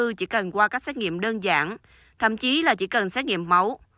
chỉ cần qua các xét nghiệm đơn giản thậm chí là chỉ cần xét nghiệm máu